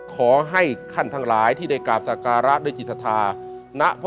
ขอให้ขั้นทั้งหลายที่ได้กล่าวศักระด้วยจิตรธานายิสัตว์